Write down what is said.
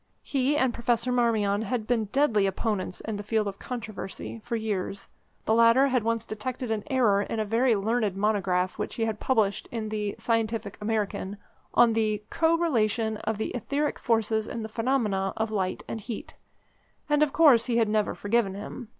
He and Professor Marmion had been deadly opponents in the field of controversy for years. The latter had once detected an error in a very learned monograph which he had published in the Scientific American on the "Co Relation of the Etheric Forces in the Phenomena of Light and Heat," and of course he had never forgiven him.